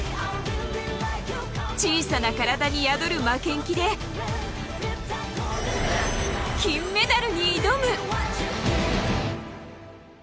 小さな体に宿る負けん気で金メダルに挑む。